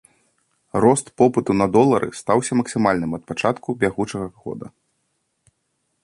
Рост попыту на долары стаўся максімальным ад пачатку бягучага года.